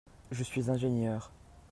Je suis ingénieur.